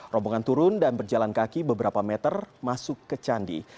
rombongan turun dan berjalan kaki beberapa meter masuk ke candi